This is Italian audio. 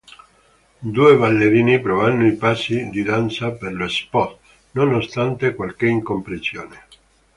Due ballerini provano i passi di danza per lo spot, nonostante qualche incomprensione.